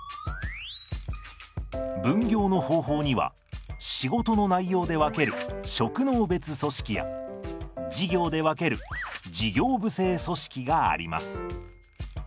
分業の方法には仕事の内容で分ける職能別組織や事業で分ける事業部制組織があります。